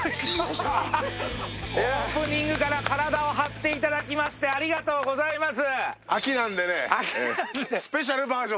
オープニングから体を張っていただきましてありがとうございます。